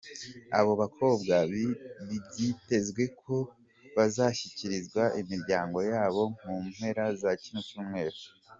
Abo bakobwa byitezwe ko bazashyikirizwa imiryango yabo mu mpera za kino cyumweru.